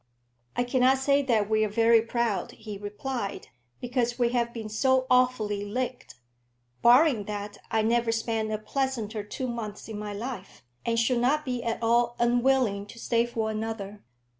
"I cannot say that we are very proud," he replied, "because we have been so awfully licked. Barring that, I never spent a pleasanter two months in my life, and should not be at all unwilling to stay for another.